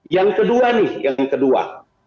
yang kedua nih yang kedua